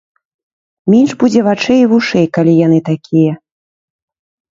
Менш будзе вачэй і вушэй, калі яны такія.